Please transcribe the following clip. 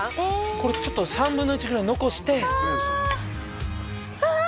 これちょっと３分の１くらい残してああ！